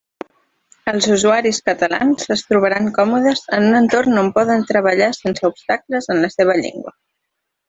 Els usuaris catalans es trobaran còmodes en un entorn on poden treballar sense obstacles en la seva llengua.